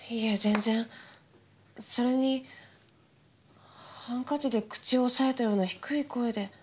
それにハンカチで口を押さえたような低い声で。